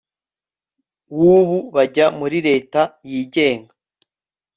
w ubu bajya muri Leta yigenga